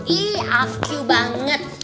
ih aku banget